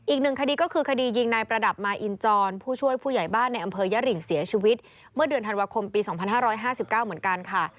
อีกหนึ่งคดีก็คือคดียิงนายประดับมาอินจรผู้ช่วยผู้ใหญ่บ้านในอำเภอยริงเสียชีวิตเมื่อเดือนธันวาคมปี๒๕๕๙เหมือนกันค่ะ